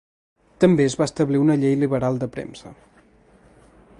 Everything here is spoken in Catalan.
També es va establir una llei liberal de premsa.